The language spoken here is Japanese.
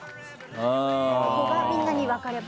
そこがみんなに分かれば。